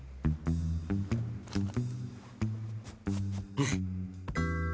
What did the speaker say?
うん。